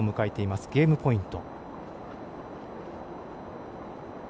ゲームポイント。